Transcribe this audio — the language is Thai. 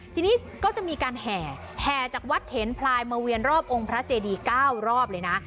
ทีนี้ก็จะมีการแห่แห่จากวัดเถนพลายมาเวียนรอบองค์พระเจดี๙รอบเลยนะ